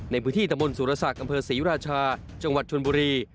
ในพื้นที่ตะมนต์สุรศักดิ์อำเภอศรีราชาจังหวัดชนบุรี